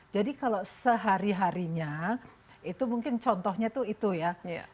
jadi kalau sehari harinya itu mungkin contohnya itu ya